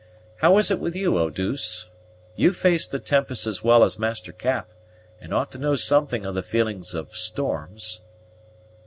How is it with you, Eau douce? you face the tempests as well as Master Cap, and ought to know something of the feelings of storms."